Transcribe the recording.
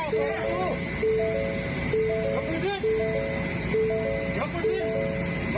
ครับ